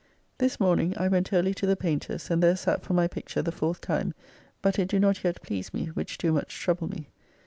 This morning I went early to the Paynter's and there sat for my picture the fourth time, but it do not yet please me, which do much trouble me.